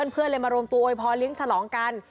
เพื่อนเลยมารวมตัวโวยพรเลี้ยงฉลองกัน